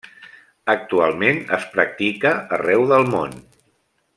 Actualment es practica arreu del món.